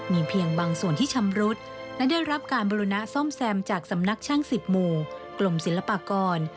มีเพียงบางส่วนที่ชำรุดและได้รับการบุรณะซ่อมแซมจากสำนักช่าง๑๐หมู่กรมศิลปากร